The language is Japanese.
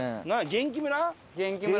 元気村？